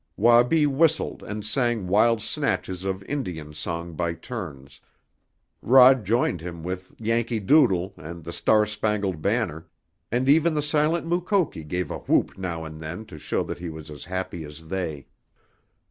Wabi whistled and sang wild snatches of Indian song by turns, Rod joined him with Yankee Doodle and The Star Spangled Banner, and even the silent Mukoki gave a whoop now and then to show that he was as happy as they.